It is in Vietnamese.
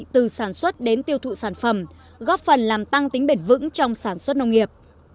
từ sản xuất đến tiêu thụ sản phẩm góp phần làm tăng tính bền vững trong sản xuất nông nghiệp